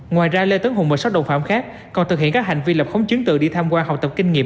ngoài ra lê tấn hùng và sáu đồng phạm khác còn thực hiện các hành vi lập khống chứng tự đi tham quan học tập kinh nghiệm